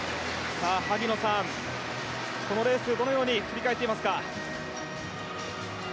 萩野さん、このレースどのように振り返っていますか。